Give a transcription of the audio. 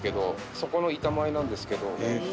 そこの板前なんですけど。